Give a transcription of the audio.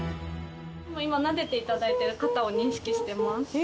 今なでていただいてる方を認識してます。